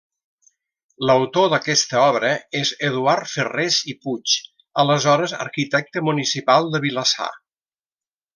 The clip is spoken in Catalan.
L'autor d'aquesta obra és Eduard Ferrés i Puig, aleshores arquitecte municipal de Vilassar.